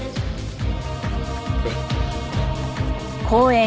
えっ？